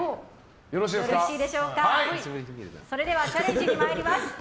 それではチャレンジ参ります。